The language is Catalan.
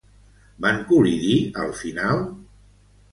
Van col·lidir al final?